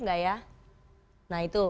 nggak ya nah itu